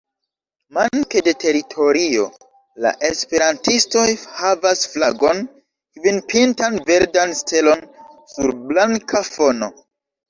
Manke de teritorio, la esperantistoj havas flagon, kvinpintan verdan stelon sur blanka fono.